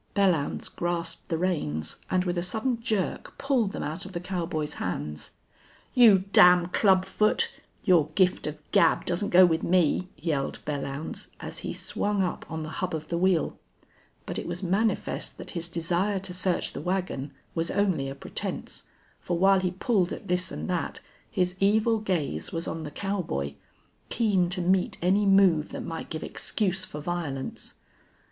Belllounds grasped the reins, and with a sudden jerk pulled them out of the cowboy's hands. "You damn club foot! Your gift of gab doesn't go with me," yelled Belllounds, as he swung up on the hub of the wheel. But it was manifest that his desire to search the wagon was only a pretense, for while he pulled at this and that his evil gaze was on the cowboy, keen to meet any move that might give excuse for violence.